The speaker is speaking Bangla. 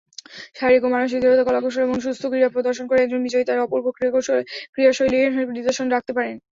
শারীরিক ও মানসিক দৃঢ়তা, কলা-কৌশল এবং সুস্থ ক্রীড়া প্রদর্শন করে একজন বিজয়ী তার অপূর্ব ক্রীড়াশৈলীর নিদর্শন রাখতে পারেন।